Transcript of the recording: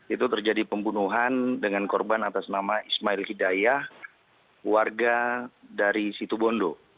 itu terjadi pembunuhan dengan korban atas nama ismail hidayah warga dari situbondo